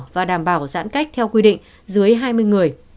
và đảm bảo giãn cách theo quy định dưới hai mươi người